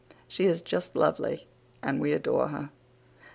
She is just lovely and we adore her.)